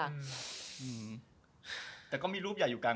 เฟ้มรูปใหญ่มาก